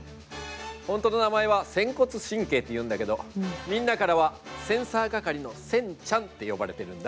本当の名前は仙骨神経っていうんだけどみんなからはセンサー係のセンちゃんって呼ばれているんだ。